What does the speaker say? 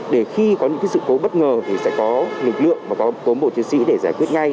để khi có những sự cố bất ngờ thì sẽ có lực lượng và có cốm bộ chiến sĩ để giải quyết ngay